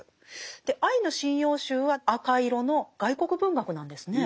で「アイヌ神謡集」は赤色の外国文学なんですね。